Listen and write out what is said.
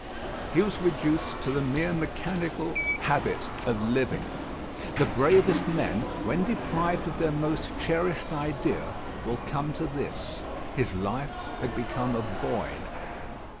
He was reduced to the mere mechanical habit of living. The bravest men, when deprived of their most cherished idea, will come to this. His life had become a void.